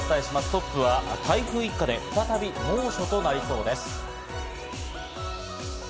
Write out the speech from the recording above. トップは台風一過で再び猛暑になりそうです。